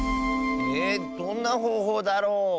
えどんなほうほうだろう？